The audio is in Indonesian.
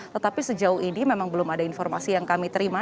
tetapi sejauh ini memang belum ada informasi yang kami terima